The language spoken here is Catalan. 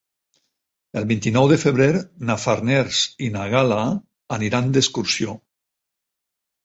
El vint-i-nou de febrer na Farners i na Gal·la aniran d'excursió.